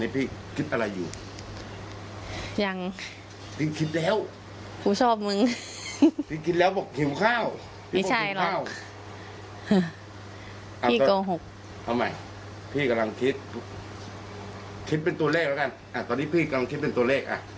พี่กำลังคิดคิดเป็นตัวเลขแล้วกันอ่ะตอนนี้พี่กำลังคิดเป็นตัวเลขอ่ะ